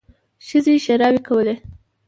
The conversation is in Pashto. ښځې ښېراوې کولې.